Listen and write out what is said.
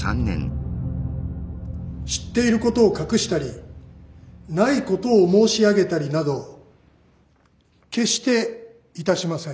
知っていることを隠したりないことを申し上げたりなど決して致しません。